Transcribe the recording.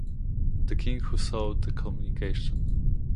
the king who saw the communication